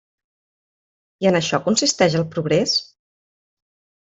I en això consisteix el progrés?